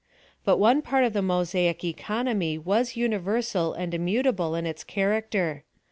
But one part of the Mosaic economy was universal and immutable in its character.